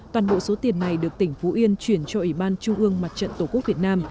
toàn bộ số tiền này được tỉnh phú yên chuyển cho ủy ban trung ương mặt trận tổ quốc việt nam